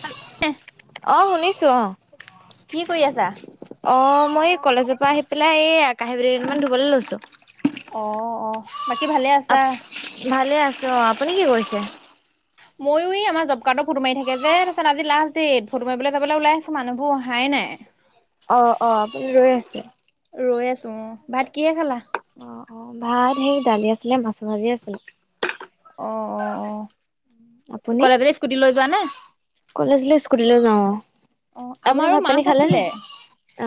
স এক চ অ অ মই এই কলেজৰ পৰা আহি পেলাই এই কাঁহীবাতি কেই টামান ধুবলৈ লৈছোঁ অ, অ বাকী ভালে অহ আছা? ভালে আছো। ত আপুনি কি কৰিছে। ময়ো এই আমাৰ জব কাৰ্ডৰ ফুটো মাৰি থাকে যে। তাৰপিছত আজি লাষ্ট ডেট ফটো মাৰিবলৈ ওলাইছো। মানুবোৰ অহাই নাই অ, অ আপুনি ৰৈ আছে। ৰৈ আছো অ ভাত কিহেৰে খালা। অ, অ ভাত হেৰি। দালি আছিলে মাছ ভাজি আছিলে। অ, অ আপুনি? কলেজলে স্কুটি লৈ যোৱা নে। কলেজলৈ স্কুটিলৈ যাওঁ অ। অ আপুনি আমাৰো ভাত পানী মাছ খালে আছিলে নাই?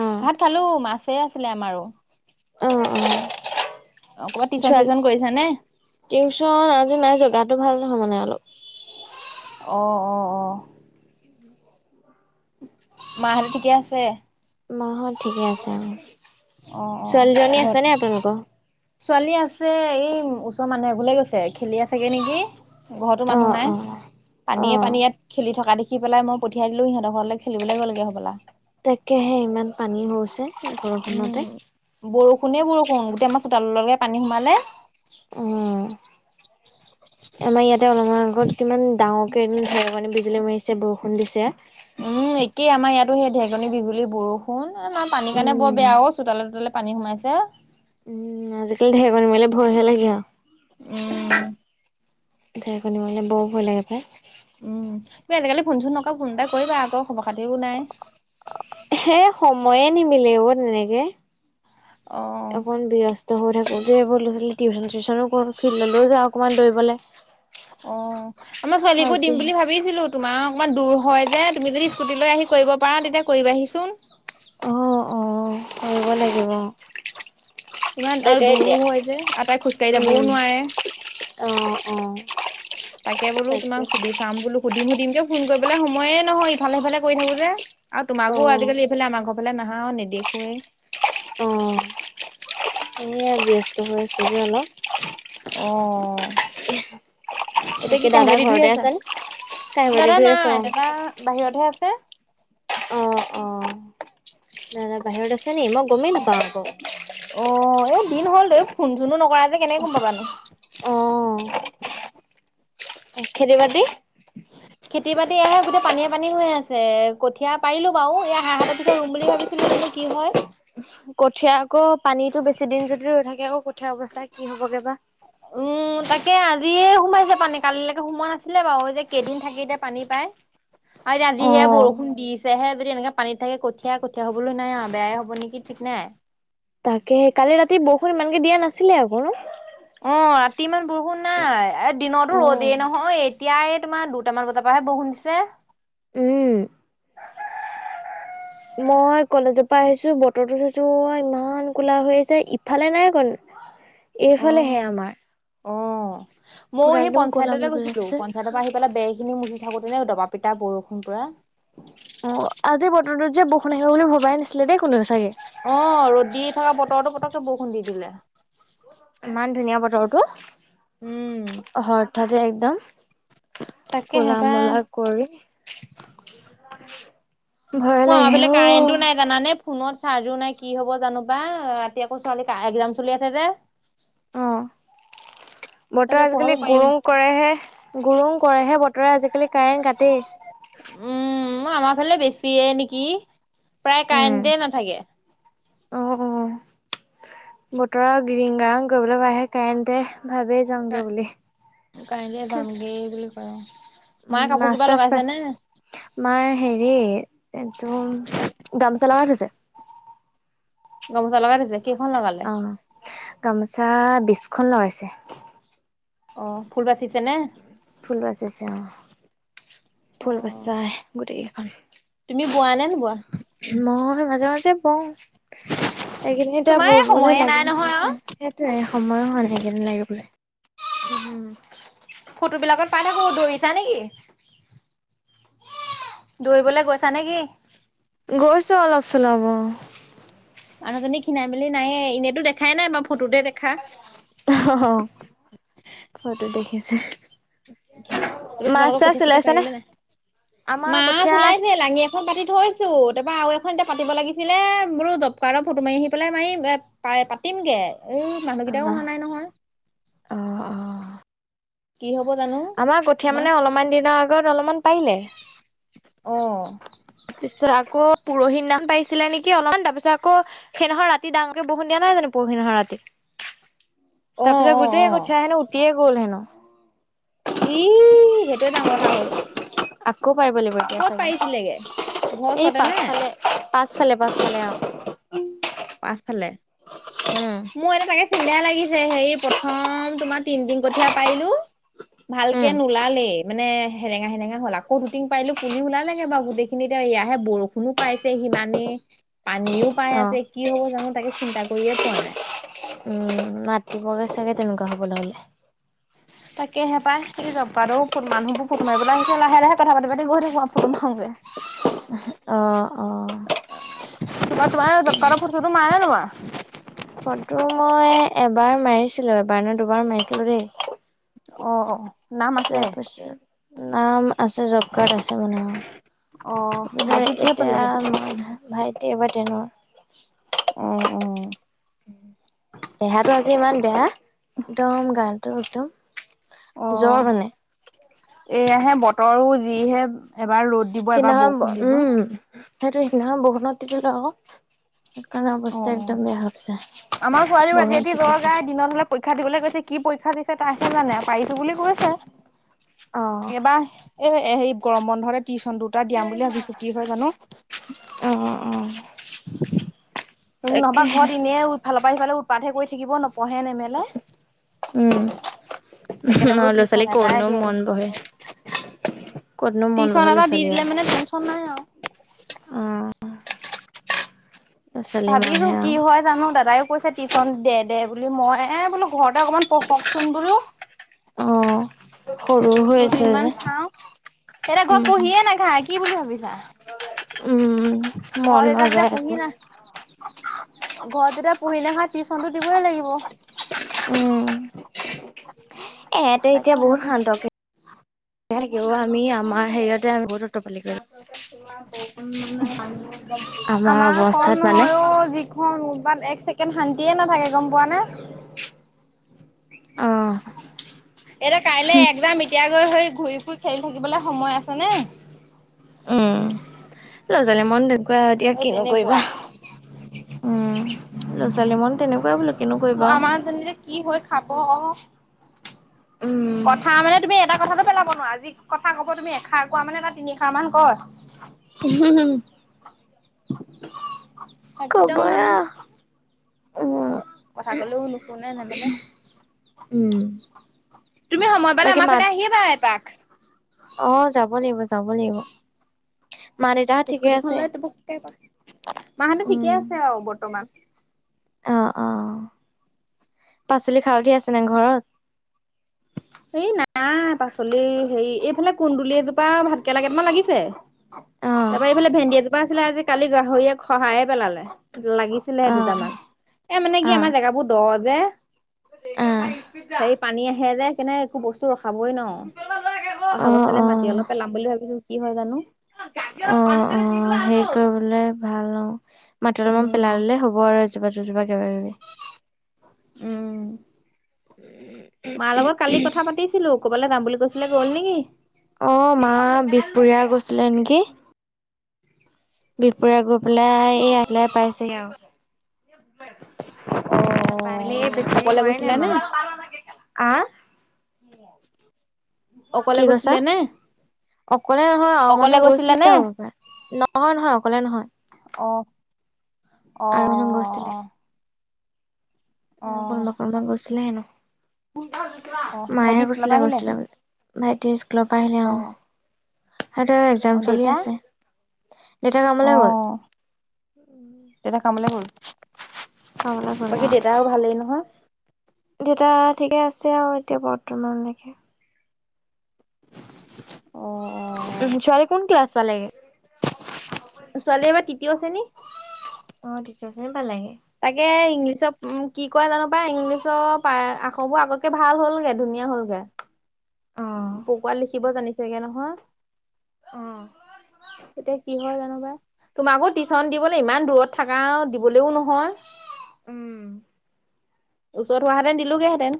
অ খালো। মাছে আছিলে আমাৰো। অ, অ অ ক'ৰবাত টিউচন ছোৱালী চিউচন কৰিছা নে? টিউচন আজি নাই যোৱা। গাটো ভাল। শুলে মানে অলপ। অহ, অহ, অহ মা হত ঠিকে আছে। মা হত ঠিকে আছে আৰু। অ, অ ঘৰত ছোৱালী আছে এই। ওচৰৰ মানুহ এঘৰলৈ গৈছে। খেলি আছেগৈ নেকি। ঘৰতো অ মানুহ নাই। অ অ পানীয়ে পানীয়ে ইয়াত খেলি থকা দেখি। মাতি পেলাই মই পঠিয়াই দিলো। সিহঁতৰ ঘৰলৈ খেলিবলৈ গ'লগে হবলা। তাকেহে ইমান পানী হৈছে উম, বৰষুণতে। বৰষুণে, বৰষুণ। গোটেই আমাৰ চোতাললৈকে লৈকে। পানী সোমালে। অ আমাৰ ইয়াতে অলপমান আগত কিমান ডাঙৰকে এ ঢেৰেকণি -বিজুলী মাৰিছে। বৰষুণ দিছে। উম, একেই আমাৰ ইয়াতো সেই ঢেৰেকণি- বিজুলী বৰষুণ। এ আমাৰ পানীৰ কাৰণে বৰ উম বেয়া ও। চোতালে- টোতালে পানী। পানী সোমাইছে। উম, আজিকালি ঢেৰেকণি মাৰিলে ভয়হে লাগে আৰু। উম ঢেৰেকণি মাৰিলে বৰ ভয় লাগে পায়। উম তুমি আজিকালি ফোনচোন নকৰা। ফোন এটা কৰিবা আকৌ খবৰ খাতিও নাই। হে, সময়ে নিমিলে ও তেনেকে। অ অকণ ব্যস্ত হয় থাকো যে। টউচন, চিউচন। ফিল্ডলৈ যাওঁ অকমান দৌৰিবলৈ। কৰিবলে। অহ, আমাৰ ছোৱালীকো দিম বুলি ভাবিছিলো তোমাৰ। অকমান দূৰ হয়। য়ে তুমি যদি স্কুটি লৈ আহি কৰিব পাৰা। পৰা তেতিয়া কৰিবাহিচোন। অহ, অহ কৰিব লাগিব। ইমান আৰু তাকে এতিয়া দূৰওঁ হয় যে আৰু তাই খোজ কঢ়ি যাবও উম নোৱাৰে অ অ তাকে বোলো তোমাক সুধি চাম বোলো সুধিম সুধিম কিয় ফোন কৰিবলে সময়ে নহয়, ইফালে সিফালে কৰি থাকো যে আৰু অ তোমাকো আজিকালি এইফালে আমাৰ ঘৰ ফালে নাহাও নিদেখ হোয়ে। অ', এয়ে ব্যস্ত হৈ আছো যে অলপ। অঁ। এতিয়া বাকী কি দাদা কাঁহীবাতী ধুই ঘৰতে আছা? আছে নে? কাঁহী বাতি দাদা ধুই আছে নাই অ'। দাদা বাহিৰতহে আছে। অ', অ', দাদা বাহিৰত আছে? নি মই গমেই নাপাওঁ অ' আকৌ। এই দিন হ'ল তেওঁ। ফোন-চোনো নকৰা যে কেনেক গম পাবানো? খেতি-বাতি খেতি-বাতি এয়াহে গোটেই পানীয়ে পানী হৈ আছে। কঠীয়া পাৰিলো বাৰু, এয়া হাঁহহাতৰ পিছত ৰুম বুলি ভাবিছিলো জানো কি হয়। কঠীয়া আকৌ পানীতো বেছি দিন যদি ৰৈ থাকে আকৌ কঠীয়া অৱস্থা কি হ'বগে বা? উম, তাকে আজিয়ে সোমাইছে পানী, কালিলৈকে সোমোৱা নাছিলে বাৰু। এতিয়া কেইদিন থাকে এতিয়া পানী পাই। আজিহে বৰষুণ দিছেহে। যদি এনেকে পানীত থাকে কঠীয়া কঠীয়া হ'বলৈ নাই আৰু বেয়াই হ'ব নেকি ঠিক নাই। তাকে কালি ৰাতি বৰষুণ ইমানকে দিয়া নাছিলে আকৌ। অ', ৰাতি ইমান বৰষুণ নাই, এ দিনতো উম। ৰ'দেই নহয়। এতিয়া এ তোমাৰ দুটামান বজাৰ পৰাহে বৰুষুন দিছে। মই কলেজৰ পৰা আহিছো বতৰটো চাইছো ইমান কোলা হৈ আহিছে ইফালে নাই অকণ। অ। এইফালেহে আমাৰ। অ'। মই পুৰা সেই একদম ক'লা পঞ্চায়ততে গৈছিলো পেলাইছে। পঞ্চায়তৰ পৰা আহি পেলাই বেৰ খিনি মুচিথাকোতে নে দবা পিটা বৰষুণ পোৰা। অ আজি বতৰটোত যে বৰষোন আহিব বুলি ভবাই নাছিলে দেই কোনেও চাগে। অ', ৰ'দ দি থকা বতৰটো পটকে বৰষুণ দি দিলে। ইমান ধুনীয়া বতৰটো! উম হ ঠাতে একদম। তাকেহে পাই। কলা-মলা কৰি [unintelligible] ভয়হে মই আমাৰ লাগে ফালে কাৰেণ্টো অ'! নাই জানানে ফোনত চাৰ্জো নাই কি হ'ব জানো বা। ৰাতি আকৌ ছোৱালী এক্জাম চলি আছে যে অহ। বতৰ তাকে পঢ়াব আজিকালি পাৰিম গৰুং কৰেহে, গৰুং কৰেহে বতৰে আজিকালি কাৰেণ্ট কাটে। উম আমাৰ ফালে বেছিয়ে নেকি প্ৰায় কাৰেণ্টে নাথাকে অ অ বতৰ গৰিং গৰাং কৰিবলৈ পাই আহে কাৰেণ্ ভাবেেই যাওঁগে বুলি অ উম মাছ চাছ পাইছ মা হেৰি এইটো লগাই থৈছে গামোচা লগাই দিছে কখন লগ গালে অ গামোচা বিখন লগাইছে অ ফুল বাচিছে নে ফুল বাজিছে অ ফুল অ', বচাই গোটেইকেইখন তুমি বোৱা নে নোবোৱা? মে মাজে মাজে যে বওঁ সেইখিনি এতিয়া তোমাৰ এই ববলৈ সময়ে নাই লাগিল নহয় সময় আৰু। নাই সেইটয়ে সময়ো হয় সেইকিনি লাগিবলৈ উ ফটো বিলাকত পাই থাকো ধৰিছা নেকি দৰিবলৈ গৈছা নেকি গৈছো অলপ চলাব মানুহজনী খীনাই মেলি নাই এনেইতো দেখাই নাই ব অ ফটো দেখিছে। ত মাছ তোমালোকৰ চাছ কঠীয়া চথিয়া ওলাইছে নে? পাৰিলে নাই? আমাৰ মাছ কঠীয়া ওলাইছে লাঙি এখন পাতি থৈছো তাৰপৰা আৰু এখন এতিয়া পাতিব লাগিছিলে বোলো জবকাৰ্ডৰ ফটো মাৰি আহি পেলাই মাৰি প পাতিমগে। এই মানুহকেইটাও অহা নাই নহয়। আহ অ। কি হব জানো আমাৰ কঠীয়াা মানে অলপমান দিনৰ আগ আ অলপমান পাৰিলে। অঁ। তাৰপিছত আকৌ পৰহি নাম পাইছিলে নেকি অলপমান, তাৰপিছত আকৌ সেইদিখনৰ ৰাতি ডাঙৰকে বহুণ দিয়া নহয় জানো পৰহি নহৰ ৰাতি? অ তাৰ পিছত অ অ গোটেই কঠাই হেনো উঠিয়ে গল হেনো। ই সেইটোৱে ডাঙৰ কথা হ'ল। আকৌ পাৰিব লাগিব এতিয়া ক'ত চাগে। পাৰিছিলেগে ঘৰ এই ওচতে নে? পাছফালে পাছফালে পাছফালে অঁ। পাছফালে উম মোৰ এতিয়া তাকে চিন্তাই লাগিছে হে প্ৰথম তোমাৰ তিনদিন কঠীয়া পাৰিলো। ভালকে উম নোলালেই। মানে সেৰেঙা সেৰেঙা হ'ল আকৌ দুটিং পাৰিলো, পুলি ওলালেগে বাও গোটেইখিনি এতিয়া ইয়াহে বৰষুণো পাইছে সিমানেই। পানীও পাই অ আছে, কি হ'ব জানো তাকেচি চিন্তা কৰিয়ে পোৱা নাই। উম মাতিবগৈ চাগে তেনেকুৱা হ'বলে হ'লে। তাকেহে পায় সেই জবকাৰ্ডৰো মানুহবোৰ ফুটো মাৰিব লে আহিছে লাহে লাহে কথা পাতি পাতি গৈ থাকো আও ফুটো মাৰোঙগে। অ' অ'। [inaudible] তোমা তোমাৰ এ জবকাৰ্ডৰ ফটো চটো মাৰা নে নামাৰা। হা ফটো মই এবাৰ মাৰিছিলো, এবাৰ ন দুবাৰ মাৰিছিলো দেই। অঁ অ‌ঁ। তাৰ পাছত নাম। আছে জব কাৰ্ড আছে মানে অ ভাইটি কিহত পালেগে? এতিয়া ভাইটি এবাৰ তেনট। অহ অ। দেহাটো আজি ইমান বেয়া। একদম গাটো। টো অ এয়াহে বত বতৰো যিহে, এবাৰ ৰ'দ দিব এবাৰ সেইদিনাখন বৰষুণ দিব। উম। সেইটো সিদিনাখন বৰষুণত তিতিলে আকৌ। সেইকাৰণে অ' অৱস্থা অ' একদম বেয়া হৈছে আমাৰ ছোৱালীও ৰাতি ৰাতি বৰষুণত জ্বৰ তিতি গাই তিতি। দিনত হ'লে পৰীক্ষা দিবলৈ কৈছে কি পৰীক্ষা দিছে তাহে জানে পাৰিছো বুলি কৈছে। অ', এইবাৰ এই হেৰি গৰম বন্ধতে। টিউচন দুটা দিয়াম বুলি ভাবিছো কি হয় জানো। অ', অ', নহবা তাকেহে ঘৰত এনেহে ইফালৰ পৰা। [unintelligible] উৎপাতহে কৰি থাকিব নপঢ়ে নেমেলে উম। সেইকাৰেণে বোলো অ ল'ৰা ছোৱালী টিউচন এটাই ক'তনো দিয়াই মন দিওঁ। বহে ক'তনো মন বহে টিউচন ল'ৰা এটা দি ছোৱালী দিলে আৰু মানে টেনচন নাই আৰু। উম। ভাবিছো, মনহে কি আৰু হয় জানো। দাদাইও কৈছে টিউচন দে দে বুলি, মই এ বোলো ঘৰতে অকমান পঢ়কচোন বোলো। অ সৰু হৈ আছে দুদিনমান যে চাও, উম [unintelligible] কি বুলি ভাবিছা। উম মন ঘৰত এতিয়া যেতিয়া নাযায় আকৌ পুহি না ঘৰত যেতিয়া পঢ়ি নাহা টিউচনটো দিবই লাগিব। উম এহেতে তাকে এতিয়া বহুত ভাবি শান্তক। [unintelligible] অ' আমি আমাৰ হেৰিয়াত [unintelligible] [unintelligible] আমাৰ অৱস্থাত মানে মান এক ছেকেণ্ড শান্তিয়ে নাথাকে। গম পোৱা নে? অ এতিয়া কাইলে একজাম এতিয়া গৈ হেৰি ঘূৰি ফুৰি খেলি থাকিবলে সময় আছে নে? উম, লৰা-ছোৱালীয়ে মন দে কুৱা এতিয়া এই কিনো কৰিবা। তেনেকুৱা উম ল'ৰা-ছোৱালী মন তেনেকুৱাই বোলো, কিনো কৰিবা আও। ক। উম কথা মানে তুমি এটা কথাটো পেলাব ক'ব নোৱাৰা যি কথা ক'ব তুমি এষাৰ কোৱা মানে বা তিনিশাৰ মান ক [unintelligible] [inaudible] খ'তম ক'বই মানে। আৰু উম কথা কলেও নুশুনে নামানে। উম তুমি সময় পালে বাকী আমাৰ মাত ফালে আহিবা এপাক। অ যাব লাগিব যাব লাগিব। মা দেউতাহত ঠিকে স্কুটিখন আছে লৈ টুপুকে এপাক। মাহঁতে ঠিকে উম আছে অ বৰ্তমান। অ অ পাচলি খাৰঠি আছে নে ঘৰত? এই নাই পাচলি সেই এইফালে কুন্দুলি এজোপা ভাতকেলা কেইটামান লাগিছে। অ তাৰ পৰা এইফালে ভেন্দি এজোপা আছিলে আজি কালি গাহৰিয়ে খহায়ে পেলালে। লাগিছিলেহে অ অ দুটামান এ মানে কি অ অ আমাৰ জেগাবোৰ দ যে অ হেৰি পানী আহে যে, কেনে একো বস্তু অ খাবই ন অহা বছলে মাটি অলপ পেলাম বুলি ভাবিছোঁ কি হয় জানো [unintelligible] অ অ সেই কৰিবলে ভাল অ মাতি অলমান পেলাল উম ললে হ'ব আৰু এজোপা দুজোপা কিবা কিবি উম মাৰ লগত কালি কথা পাতিছিলো কবালে যাম বুলি কৈছিলে গ'ল নেকি অ মা বিপুৰীয়াৰ গৈছিলে নেকি বিপুৰিয়া গৈ পেলাই এয়া আহি পেলাই পাইছেহি অ আও [unintelligible] বেছি অকলে গৈছিলে নে? দেৰি হোৱাই‌ নাই মা আ [inaudible] অকলে গৈছিলে নে অকলে নহয় আও অকলে মানুহ গৈছিলে নে? গৈছিলেই হ'ব পায়, নহয় নহয় অকলে নহয় অ অ' আৰু অ' মানুহ অ' অ'। অ' কোনোবা - কোনোবাক গৈছিলে হেনো। অ ভাইটি মায়েহে স্কুলৰ কৈছিলে পৰা আহিলে গৈছিলে বুলি, ভাইটি স্কুলৰ পৰা আহিলে অ'। সিহঁতৰ অ একজাম চলি দেউতা আছে। দেউতা কামলৈ গ'ল অ' এটা কামলে গ'ল। কামলৈ বাকী দেউতাও ভালেই নহয়? দেতা ঠিকে আছে আৰু এতিয়া বৰ্তমানলৈকে। অঁ। উম, ছোৱালী কোন ক্লাছ? পালে গে। ছোৱালী এবাৰ তিতীয় শ্ৰেণী। অ' তিতীয় শ্ৰেণী পালাগে। তাকে ইংলিছ ত' উম কি কয় জানো পাই, ইংলিছৰ আখবোৰ আগতকে ভাল হ'লগে ধুনীয়া হ'লগে। অ পকোৱা লিখিব জানি চাগে নহয়। অ। এতিয়া কি হয় জানো বা তোমাকো টিউচন দিবলৈ ইমান দূৰত থাকা দিবলেও নহয়। উম। ওচৰত হোৱাহেঁতেন দিলোগেহেঁতেন।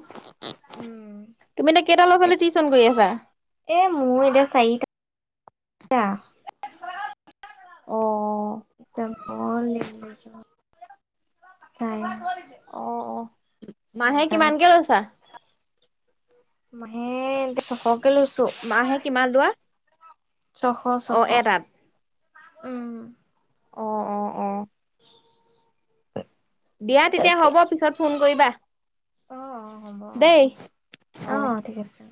উম তুমি এতিয়া কেইটা ল'ৰা-ছোৱালী তাকে টিউচন কৰি আছা। তা অ [inaudible] তাই। অ' মাহে কিমানকে গৈছে লৈছা। মাহে এয়া ছশকে লৈছো। মাহে কিমান লোৱা অ ছশ-ছশ। এটাত উম অহ অ' অ'। দিয়া তেতিয়া তাকে হ'ব পিছত ফোন কৰিবা। অ, অ, হ'ব অ, দেই অ, অ' ঠিক আছে।